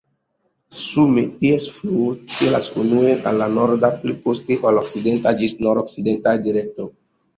Sume ties fluo celas unue al norda, pli poste al okcidenta ĝis nordokcidenta direkto.